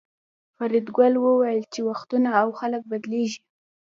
فریدګل وویل چې وختونه او خلک بدلیږي